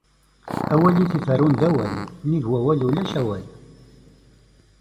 Awal i t-iferrun d awal, nnig wawal ulac awal.